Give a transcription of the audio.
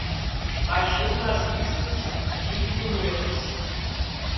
Baixando as listas de criptomoedas